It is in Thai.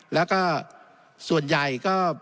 แล้วก็ส่วนใหญ่ก็